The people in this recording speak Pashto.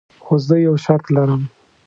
خو زه یو شرط لرم.